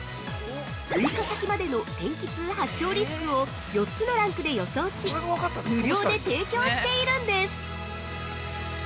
６日先までの天気痛発症リスクを４つのランクで予想し、無料で提供しているんです。